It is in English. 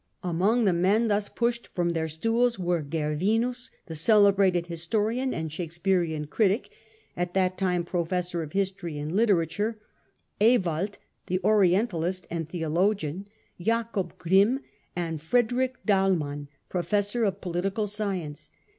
Among the men thus pushed from their stools were — Gervinus, the cele brated historian and Shakespearian critic, at that time professor of history and literature; Ewald, the orientalist and theologian ; Jacob Grimm ; and Frederick Dahlmann, professor of political science.